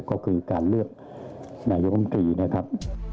ก็คือการเลือกนายกรรมตรีนะครับ